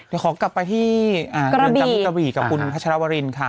เดี๋ยวขอกลับไปที่เรือนจำที่กะวีกับคุณพัชรวรินค่ะ